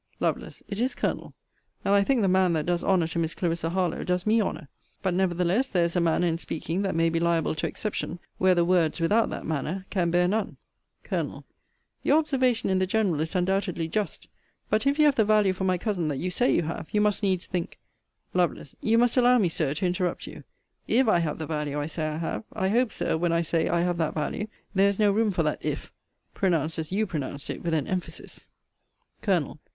Lovel. It is, Colonel. And I think, the man that does honour to Miss Clarissa Harlowe, does me honour. But, nevertheless, there is a manner in speaking, that may be liable to exception, where the words, without that manner, can bear none. Col. Your observation in the general is undoubtedly just: but, if you have the value for my cousin that you say you have, you must needs think Lovel. You must allow me, Sir, to interrupt you IF I have the value I say I have I hope, Sir, when I say I have that value, there is no room for that if, pronounced as you pronounced it with an emphasis. Col.